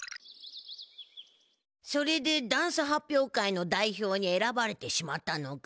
それでダンス発表会の代表にえらばれてしまったのか？